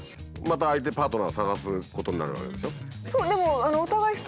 また相手パートナーを探すことになるわけでしょ？